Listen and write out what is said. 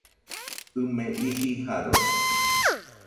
ɨ me iji Jarode